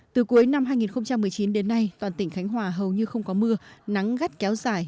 từ cuối năm hai nghìn một mươi chín đến nay toàn tỉnh khánh hòa hầu như không có mưa nắng gắt kéo dài